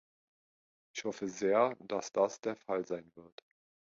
Ich hoffe sehr, dass das der Fall sein wird.